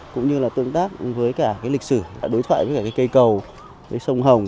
cũng như là tương tác với cả lịch sử đối thoại với cây cầu sông hồng